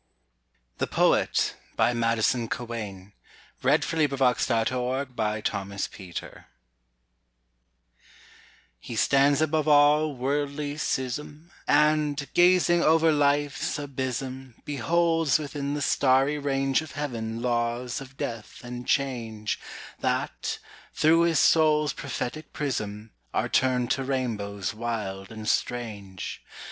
n this shore, He forever a vine embracing Her a silvery sycamore. THE POET He stands above all worldly schism, And, gazing over life's abysm, Beholds within the starry range Of heaven laws of death and change, That, through his soul's prophetic prism, Are turned to rainbows wild and strange.